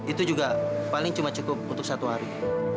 itu juga paling cuma cukup untuk satu hari